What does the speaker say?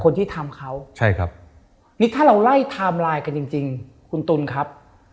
นี่ถ้าเราไล่ไทม์ไลน์กันจริงคุณตุ๋นครับ